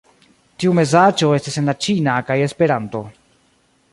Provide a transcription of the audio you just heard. Tiu mesaĝo estis en la ĉina kaj Esperanto.